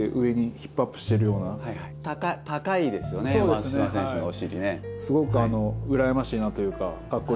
松島選手のお尻ね。